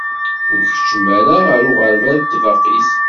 Ur keččem ara gar uɣerbal d tbaqit.